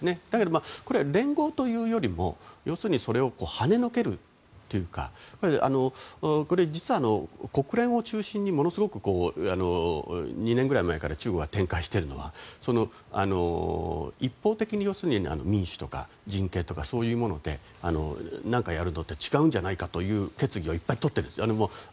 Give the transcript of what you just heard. だけど、連合というよりも要するにそれをはねのけるというか実は国連を中心にものすごく２年ぐらい前から中国が展開しているのは一方的に民主とか人権とかそういうもので何かやると違うんじゃないかという決議をいっぱいとってるんです。